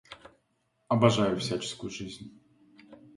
Обожаю всяческую жизнь!